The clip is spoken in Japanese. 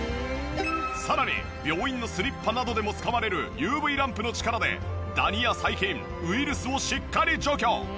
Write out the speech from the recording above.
さらに病院のスリッパなどでも使われるＵＶランプの力でダニや細菌ウイルスをしっかり除去。